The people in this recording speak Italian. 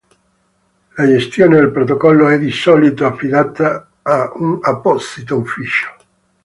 La gestione del protocollo è di solito affidata a un apposito ufficio.